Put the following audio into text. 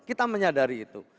kita menyadari itu